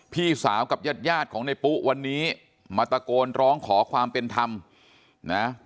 พี่สาวกับญาติยาดของในปุ๊วันนี้มาตะโกนร้องขอความเป็นธรรมนะ